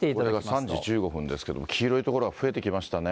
これが３時１５分ですけど、黄色い所が増えてきましたね。